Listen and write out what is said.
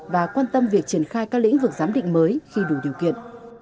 và quan tâm việc triển khai các lĩnh vực giám định mới khi đủ điều kiện